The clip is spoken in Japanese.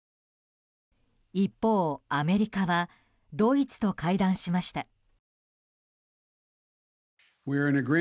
一方、アメリカはドイツと会談しました。